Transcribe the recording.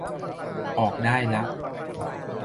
ออกได้ละ